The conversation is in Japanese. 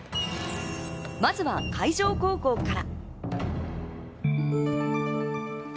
まずは海城高校から。